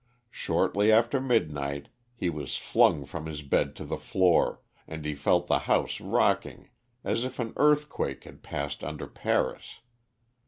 Shortly after midnight he was flung from his bed to the floor, and he felt the house rocking as if an earthquake had passed under Paris.